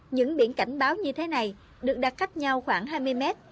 những biển cảnh báo như thế này được đặt cách nhau khoảng hai mươi mét